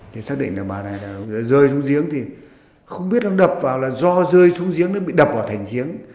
thì xác định là bà này là rơi xuống giếng thì không biết nó đập vào là do rơi trúng giếng nó bị đập vào thành giếng